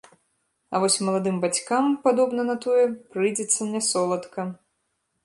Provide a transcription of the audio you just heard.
А вось маладым бацькам, падобна на тое, прыйдзецца нясоладка.